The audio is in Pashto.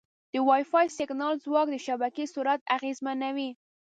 د وائی فای سیګنال ځواک د شبکې سرعت اغېزمنوي.